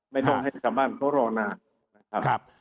ไม่ต้องให้สัมบันโทรนาครับ